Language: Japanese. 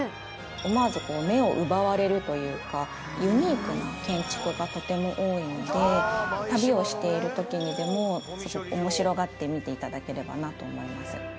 思わず目を奪われるというかユニークな建築がとても多いので旅をしている時にでも面白がって見ていただければなと思います